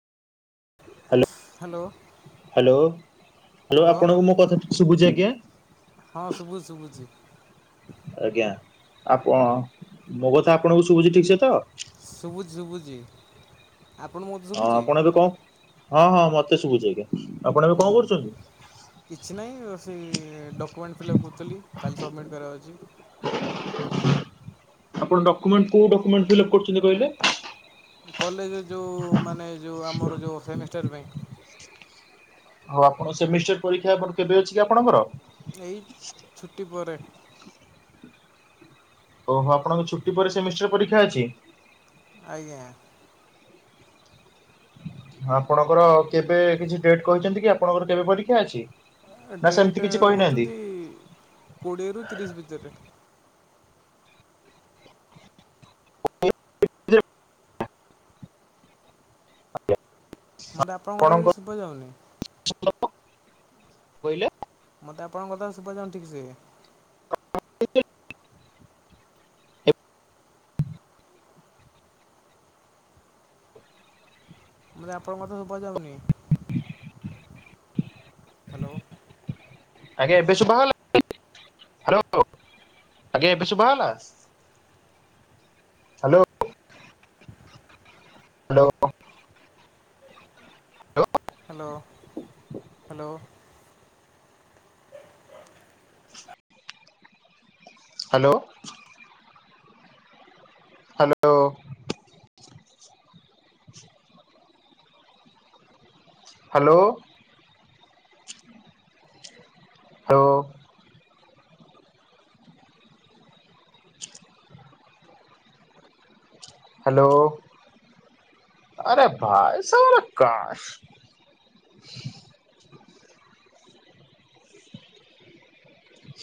Hello hello hello hello ଆପଣଙ୍କୁ ମୋ କଥା କିଛି ଶୁବୁଛି ଆଜ୍ଞା? ହଁ ଶୁଭୁଛି ଶୁଭୁଛି। ଆଜ୍ଞା ଆପଣ ମୋ କଥା ଆପଣଙ୍କୁ ଶୁଭୁଛି ଠିକ ସେ ତ? ସୁବୁଝ ସୁବୁଚି। ଆପଣ ହଁ ଆପଣ ଏବେ କଣ ହଁ ହଁ ମତେ ଶୁଭୁଚି ଆଜ୍ଞା ଆପଣ ଏବେ ହୁଁ କଣ କରୁଚନ୍ତି? କିଛି ନାହିଁ ସେ ଡକ୍ୟୁମେଣ୍ଟ ଫିଲ୍ଅପ୍ କରୁଥିଲି କାଲି ସବମିଟ୍ କରିବା ଅଛି। ଆପଣ ଡକ୍ୟୁମେଣ୍ଟ କୋଉ ଡକ୍ୟୁମେଣ୍ଟ ଫିଲ ଅପ୍ କରୁ ଚନ୍ତି କହିଲେ? କଲେଜ ଯୋଉ ମାନେ ଯୋଉ ଆମର ଯୋଉ ସେମିଷ୍ଟର ପାଇଁ ଓ ଆପଣ ସେମିଷ୍ଟର ପରୀକ୍ଷା କେବେ ଅଛି କି ଆପଣଙ୍କର? ଏଇ ଛୁଟି ପରେ। ଓହୋ ଆପଣଙ୍କ ଛୁଟି ପରେ ସେମିଷ୍ଟର ପରୀକ୍ଷା ଅଛି। ଆଜ୍ଞା। ଆପଣଙ୍କର କେବେ କିଛି ଡେଟ କହିଛନ୍ତି କି ଆପଣଙ୍କର କେବେ ପରୀକ୍ଷା ଅଛି? ନା ସେମିତି ଡେଟ୍ କିଛି କହିନାହାନ୍ତି ହେଉଚନ୍ତି କୋଡ଼ିଏରୁ ତିରିଶ ଭିତରେ। ମତେ ଆପଣଙ୍କ କଥା କିଛି ଶୁଭା ଯାଉନି। [unintelligible] କହିଲେ। ମୋତେ ଆପଣଙ୍କ କଥା ଶୁବାଜାଉନି ଠିକ ସେ। [unintelligible] ମୋତେ ଆପଣଙ୍କ କଥା ଶୁଭା ଯାଉନି। ହାଲୋ। ଆଜ୍ଞା ଏବେ ଶୁଭା ଗଲା ହାଲୋ ଆଜ୍ଞା ଏବେ ଶୁଭ ଗଲା? Hello. Hello hello. Hello. Hello. Hello. Hello. Hello. ଆରେ ଭାଇ ଏସା ବାଲା କାଇଁ।